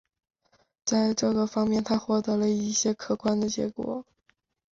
在这个方面他获得了一些可观的结果。